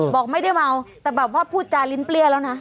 บอกไม่ได้เมาแต่แบบว่าพูดจาลิ้นเปรี้ยแล้วนะ